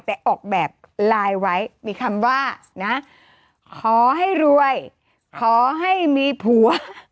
แต่ออกแบบไลน์ไว้มีคำว่านะขอให้รวยขอให้มีผัว